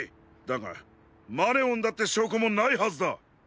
だがマネオンだってしょうこもないはずだ！